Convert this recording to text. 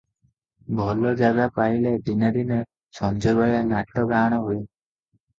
ଭଲ ଜାଗା ପାଇଲେ ଦିନେ ଦିନେ ସଞବେଳେ ନାଟ ଗାଆଣ ହୁଏ ।